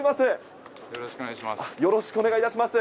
よろしくお願いします。